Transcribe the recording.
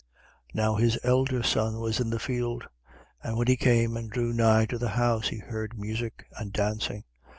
15:25. Now his elder son was in the field and when he came and drew nigh to the house, he heard music and dancing.